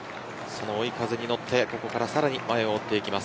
追い風に乗ってここからさらに前を追っていきます